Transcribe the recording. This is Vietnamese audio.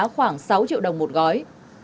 khoảng sáu triệu đồng một gói